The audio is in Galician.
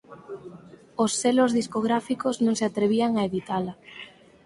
Os selos discográficos non se atrevían a editala.